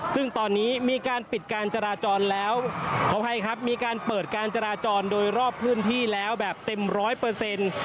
ซึ่งตอนนี้มีการปิดการจราจรแล้วขออภัยครับมีการเปิดการจราจรโดยรอบพื้นที่แล้วแบบเต็มร้อยเปอร์เซ็นต์